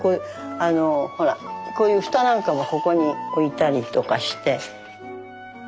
あのほらこういう蓋なんかもここに置いたりとかして。